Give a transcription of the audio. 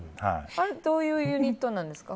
どういうユニットなんですか